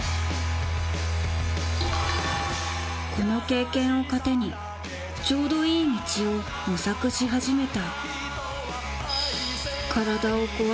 この経験を糧にちょうどいい道を模索し始めた